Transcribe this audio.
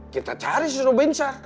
kita cari si robinsar